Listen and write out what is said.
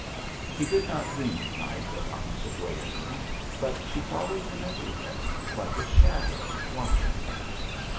He did not dream at night of Anna Sergueyevna, but she followed him everywhere, like a shadow, watching him.